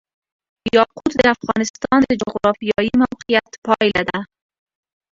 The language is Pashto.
یاقوت د افغانستان د جغرافیایي موقیعت پایله ده.